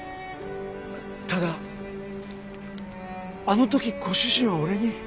ただあの時ご主人は俺に。